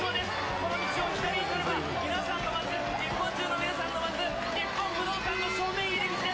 この道を左に曲がれば、皆さんが待つ、日本中の皆さんが待つ、日本武道館の正面入口へ。